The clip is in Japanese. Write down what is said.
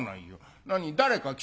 何誰か来たの？」。